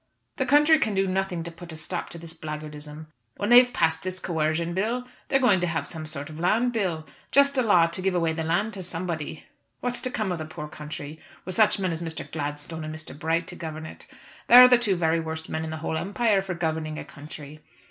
The country can do nothing to put a stop to this blackguardism. When they've passed this Coercion Bill they're going to have some sort of Land Bill, just a law to give away the land to somebody. What's to come of the poor country with such men as Mr. Gladstone and Mr. Bright to govern it? They're the two very worst men in the whole empire for governing a country.